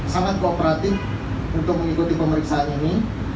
sangat kooperatif untuk mengikuti pemeriksaan ini